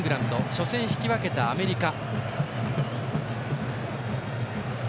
初戦、引き分けたアメリカ。